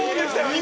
今！